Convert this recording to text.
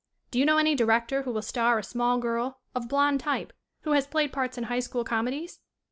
"Do you know any director who will star a small girl, of blond type, who has played parts in high school come dies?"